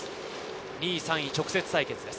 ２位３位直接対決です。